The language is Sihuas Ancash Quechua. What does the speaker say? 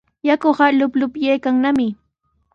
Yakuqa luqluqyaykannami.